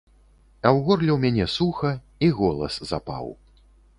А ў горле ў мяне суха, і голас запаў.